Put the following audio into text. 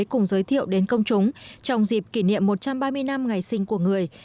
cùng giới thiệu đến công chúng trong dịp kỷ niệm một trăm ba mươi năm ngày sinh của người